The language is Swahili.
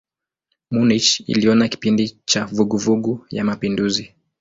Munich iliona kipindi cha vuguvugu ya mapinduzi.